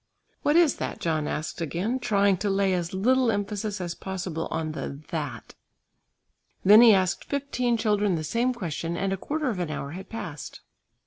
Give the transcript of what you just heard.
"What is that?" John asked again, trying to lay as little emphasis as possible on the "that." Then he asked fifteen children the same question and a quarter of an hour had passed.